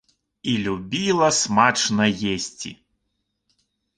І любіла смачна есці.